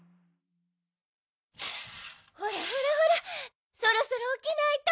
ほらほらほらそろそろおきないと。